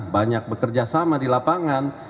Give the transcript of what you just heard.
banyak bekerja sama di lapangan